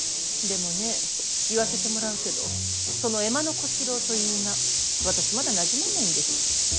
でもね言わせてもらうけどその江間小四郎という名私まだなじまないんです。